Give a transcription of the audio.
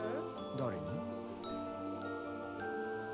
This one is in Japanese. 誰に？